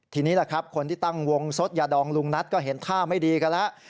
ทีนี้แหละครับคนที่ตั้งวงสดยาดองลุงนัทก็เห็นท่าไม่ดีกันแล้ว